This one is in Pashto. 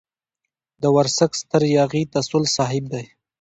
د ورسک ستر ياغي تسل صاحب دی.